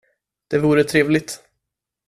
Det vore trevligt.